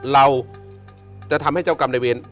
เราจะทำให้เจ้ากรรมในเวร